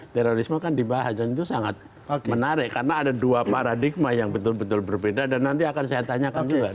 terorisme kan dibahas dan itu sangat menarik karena ada dua paradigma yang betul betul berbeda dan nanti akan saya tanyakan juga